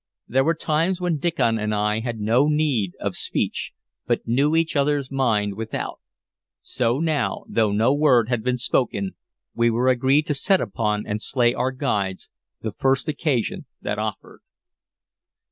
There were times when Diccon and I had no need of speech, but knew each other's mind without; so now, though no word had been spoken, we were agreed to set upon and slay our guides the first occasion that offered.